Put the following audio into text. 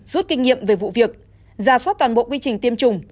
rút kinh nghiệm về vụ việc giả soát toàn bộ quy trình tiêm chủng